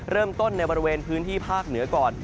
เริ่มต้นในบริเวณพื้นที่ภาคเหนือก่อน